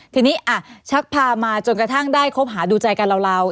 ทีนี้ชักพามาจนกระทั่งได้คบหาดูใจกันเรา